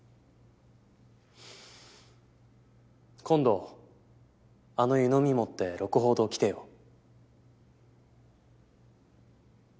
今度あの湯飲み持って鹿楓堂来てよ。